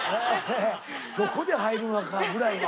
どこで入るのかぐらいは。